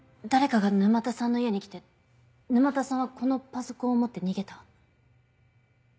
誰かが沼田さんの家に来て沼田さんはこのパソコンを持って逃げた。